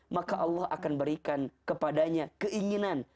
maka allah akan berikan kepadanya keinginan